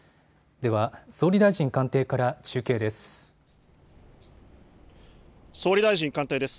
では総理大臣官邸から中継です。